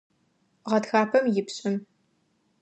Гъэтхапэм ипшӏым.